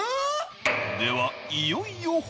［ではいよいよ］